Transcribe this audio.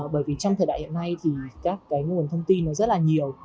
bởi vì trong thời đại hiện nay thì các cái nguồn thông tin nó rất là nhiều